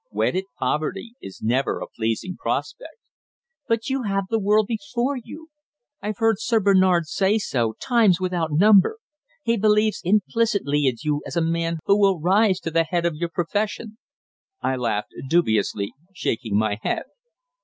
Wedded poverty is never a pleasing prospect." "But you have the world before you. I've heard Sir Bernard say so, times without number. He believes implicitly in you as a man who will rise to the head of your profession." I laughed dubiously, shaking my head.